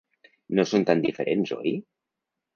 No són tan diferents, oi?